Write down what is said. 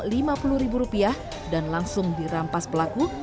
dua orang yang mencari pelaku berharga rp sepuluh dan langsung dirampas pelaku